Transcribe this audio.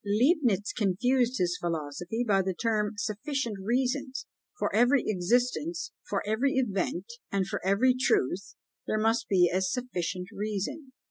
Leibnitz confused his philosophy by the term sufficient reason: for every existence, for every event, and for every truth there must be a sufficient reason.